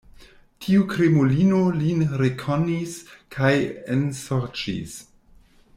Tiu krimulino lin rekonis kaj ensorĉis.